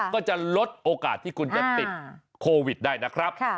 ก็จะลดโอกาสที่คุณจะติดโควิดได้นะครับ